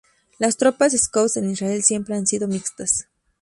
Las tropas scout en Israel siempre han sido mixtas.